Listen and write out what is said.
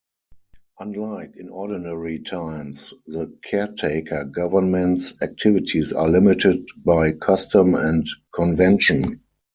Unlike in ordinary times, the caretaker government's activities are limited by custom and convention.